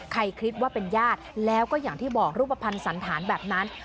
ใครคิดว่าเป็นญาติแล้วก็อย่างที่บอกรูปภัณฑ์สันฐานแบบนั้น